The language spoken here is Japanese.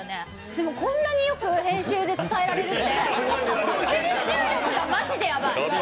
でもこんなによく編集で伝えられるって、編集力がマジでヤバい。